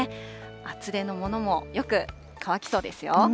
厚手のものもよく乾きそうですよ。